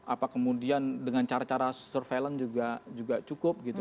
apa kemudian dengan cara cara surveillance juga cukup gitu